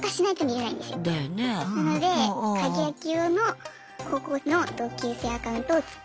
なので鍵開け用の高校の同級生アカウントを作って。